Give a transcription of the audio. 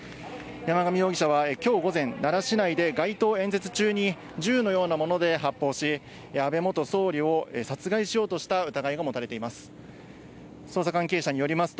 山上容疑者はきょう午前、奈良市内で街頭演説中に銃のようなもので発砲し、安倍元総理を殺害しようとした疑いが持たれています。